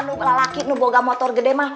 lelaki yang bawa motor gede mah